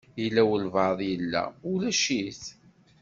Yella walebɛaḍ yella, ulac-it.